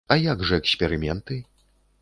А як жа эксперыменты?